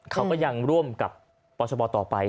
เขาก็ยังร่วมกับปชบต่อไป